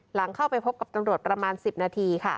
หลังเข้าไปพบกับตำรวจประมาณ๑๐นาที